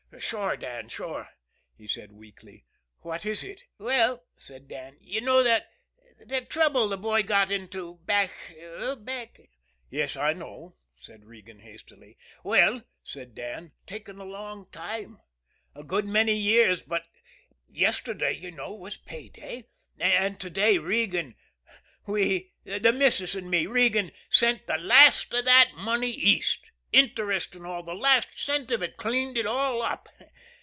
"Sure, Dan sure," he said weakly. "What is it?" "Well," said Dan, "you know that that trouble the boy got into back back ' "Yes, I know," said Regan hastily. "Well," said Dan, "it's taken a long time, a good many years, but yesterday, you know, was pay day; and to day, Regan, we, the missus and me, Regan, sent the last of that money East, interest and all, the last cent of it, cleaned it all up.